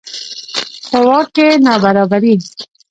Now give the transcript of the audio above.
په واک کې نابرابري.